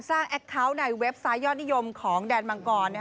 แอคเคาน์ในเว็บไซต์ยอดนิยมของแดนมังกร